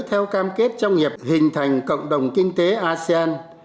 theo cam kết trong việc hình thành cộng đồng kinh tế asean